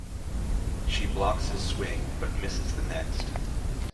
She blocks his swing, but misses the next.